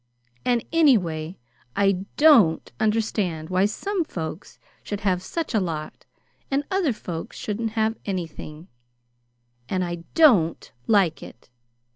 "And, anyway, I DON'T understand why some folks should have such a lot, and other folks shouldn't have anything; and I DON'T like it.